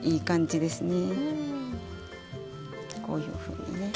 こういうふうにね。